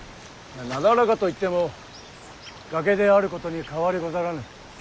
なだらかといっても崖であることに変わりござらぬ。